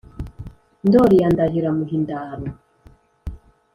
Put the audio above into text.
ndoli ya ndahiro amuha indaro